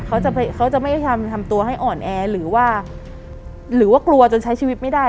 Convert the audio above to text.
เขาจะเขาจะไม่ได้ทำตัวให้อ่อนแอหรือว่าหรือว่ากลัวจนใช้ชีวิตไม่ได้